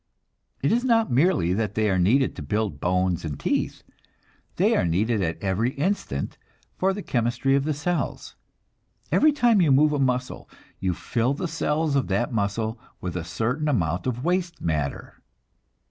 It is not merely that they are needed to build bones and teeth; they are needed at every instant for the chemistry of the cells. Every time you move a muscle, you fill the cells of that muscle with a certain amount of waste matter.